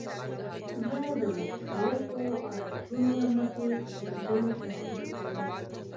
زه د مختلفو عادتونو له مخې خپل ژوند تنظیم کوم.